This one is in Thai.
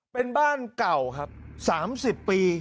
เป็นบ้านเก่าครับ๓๐ปี